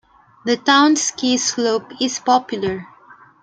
The town's ski slope is popular.